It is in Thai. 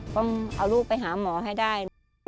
ต้องเอาลูกไปหาหมอให้ได้